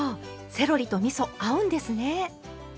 セロリとみそ合うんですね。